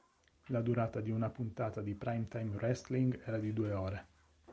La durata di una puntata di "Prime Time Wrestling" era di due ore.